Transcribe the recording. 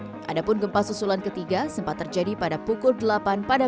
garut jawa barat adapun gempa susulan ketiga sempat terjadi pada pukul delapan pada